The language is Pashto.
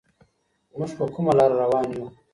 موږ په کومه لاره روان يو؟